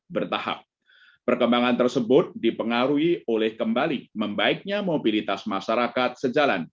bertahap perkembangan tersebut dipengaruhi oleh kembali membaiknya mobilitas masyarakat sejalan